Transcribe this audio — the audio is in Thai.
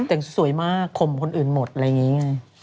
แต่งสวยมากข่มคนอื่นหมดอะไรอย่างนี้ไง